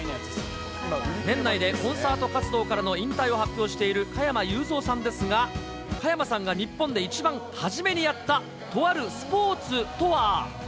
年内でコンサート活動からの引退を発表している加山雄三さんですが、加山さんが日本で一番始めにやった、とあるスポーツとは？